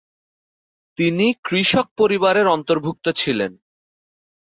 তিনি কৃষক পরিবারের অন্তর্ভুক্ত ছিলেন।